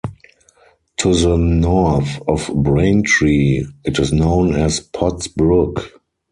To the north of Braintree it is known as Pods Brook.